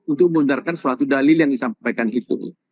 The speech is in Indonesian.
untuk membenarkan suatu dalil yang disampaikan itu